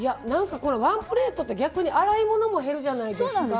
ワンプレートって洗い物も減るじゃないですか。